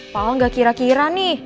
pak al gak kira kira nih